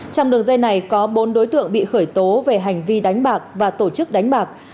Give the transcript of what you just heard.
trong đường dây này có bốn đối tượng bị khởi tố về hành vi đánh bạc và tổ chức đánh bạc